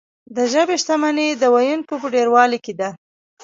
د ژبې شتمني د ویونکو په ډیروالي کې ده.